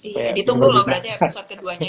iya ditunggu loh berarti episode keduanya